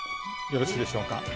よろしいでしょうか。